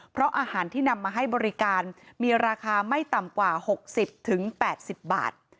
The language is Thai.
เพราะอาหารที่นำมาให้บริการมีราคาไม่ต่ำกว่า๖๐๘๐บาท